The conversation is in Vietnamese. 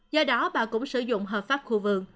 do đó bà cũng sử dụng hợp pháp khu vườn